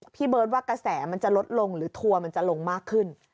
พี่เบิร์ตว่ากระแสมันจะลดลงหรือทัวร์มันจะลงมากขึ้น